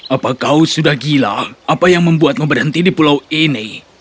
apa kau sudah gila apa yang membuatmu berhenti di pulau ini